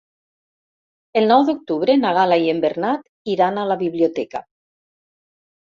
El nou d'octubre na Gal·la i en Bernat iran a la biblioteca.